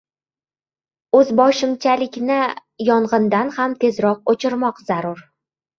O‘zboshimchalikni yong‘indan ham tezroq o‘chirmoq zarur.